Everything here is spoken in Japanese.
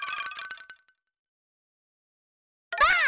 ばあっ！